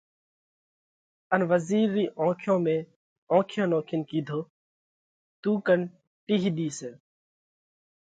ان وزِير رِي اونکيون ۾ اونکيون نوکينَ ڪِيڌو: تُون ڪنَ ٽِيه ۮِي سئہ۔